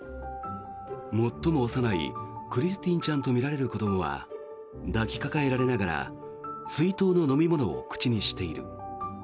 最も幼いクリスティンちゃんとみられる子どもは抱きかかえられながら水筒の飲み物を口にしている。